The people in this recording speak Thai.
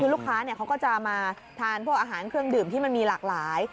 คือลูกค้าเขาก็จะมาทานพวกอาหารเครื่องดื่มที่มันมีหลากหลาย